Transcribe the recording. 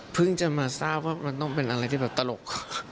เพิ่งจะมาทราบว่ามันต้องเป็นอะไรที่ตลก